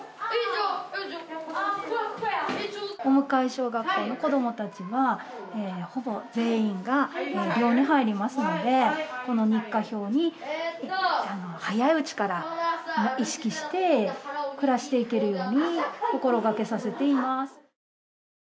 尾向小学校の子どもたちはほぼ全員が寮に入りますのでこの日課表に早いうちから意識して暮らしていけるように心がけさせています。